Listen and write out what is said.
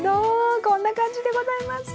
こんな感じでございます。